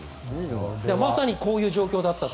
まさに、こういう状況だったと。